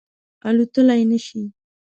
الوتلای نه شي